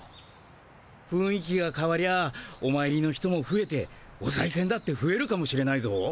ふんい気がかわりゃおまいりの人もふえておさいせんだってふえるかもしれないぞ。